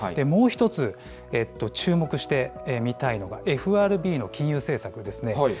もう一つ、注目してみたいのが、ＦＲＢの金融政策ですね。